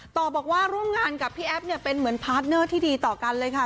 ต่อบอกว่าร่วมงานกับพี่แอฟเนี่ยเป็นเหมือนพาร์ทเนอร์ที่ดีต่อกันเลยค่ะ